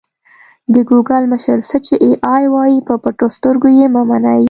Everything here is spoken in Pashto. د ګوګل مشر: څه چې اې ای وايي په پټو سترګو یې مه منئ.